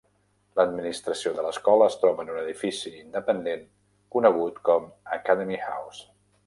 L'administració de l'escola es troba en un edifici independent conegut com Academy House.